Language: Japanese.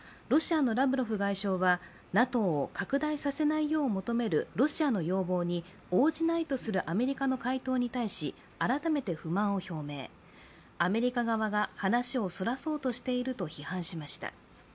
ロシアのラブロフ外相は、ＮＡＴＯを拡大させないよう求めるロシアの要望に応じないとするアメリカの回答に対し改めて不満を表明、アメリカ側が話をそらそうとしていると批判しました。